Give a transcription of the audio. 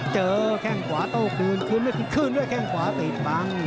เจอแข้งขวาโต้คืนคืนไม่คืนขึ้นด้วยแข้งขวาไปอีกบัง